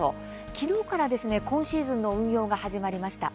昨日から今シーズンの運用が始まりました。